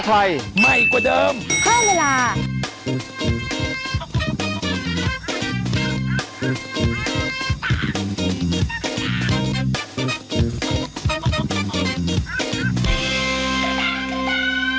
ไปกันก่อนนะฮะสวัสดีครับสวัสดีค่ะสวัสดีค่ะสวัสดีค่ะ